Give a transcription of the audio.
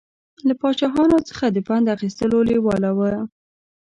له پاچاهانو څخه د پند اخیستلو لېواله و.